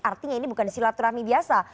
artinya ini bukan silaturahmi biasa